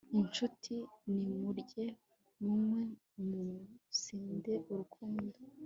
incuti, nimurye, munywe musinde urukundo